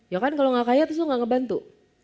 ya kan kalau nggak kaya terus lo gak ngebantu